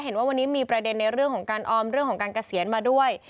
เห็นว่าวันนี้มีประเด็นในเรื่องของการออมเรื่องของการเกษียณมาด้วย